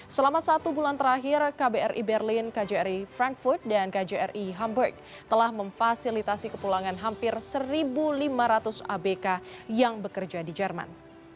selama satu bulan terakhir kbri berlin kjri frankfurt dan kjri hamburg telah memfasilitasi kepulangan hampir satu lima ratus abk yang bekerja di jerman